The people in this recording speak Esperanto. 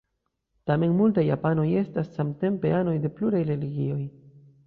Tamen multaj japanoj estas samtempe anoj de pluraj religioj.